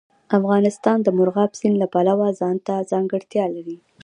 افغانستان د مورغاب سیند د پلوه ځانته ځانګړتیا لري.